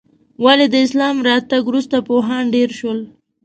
ولې د اسلام راتګ وروسته پوهان ډېر شول؟